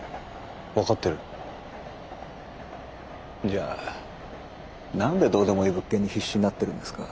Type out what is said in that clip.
じゃあ何でどうでもいい物件に必死になってるんですか？